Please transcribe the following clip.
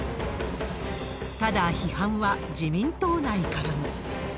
ただ、批判は自民党内からも。